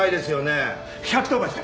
１１０番して！